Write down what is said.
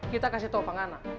kita kasih tau apa ngana